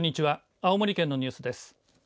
青森県のニュースです。